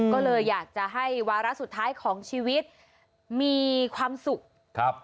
ก็เลยอยากจะให้วาระสุดท้ายของชีวิตมีความสุขครับ